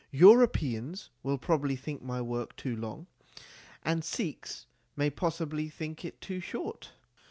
Europeans will probably think my work too long, and Sikhs may possibly think it too short.